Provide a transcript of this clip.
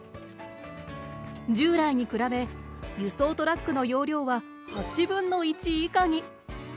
従来に比べ輸送トラックの容量は８分の１以下に。